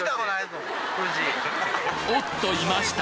おっといました！